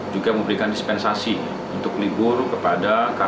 juga memberikan dispensasi untuk libur kepada karyawannya yang sedang hamil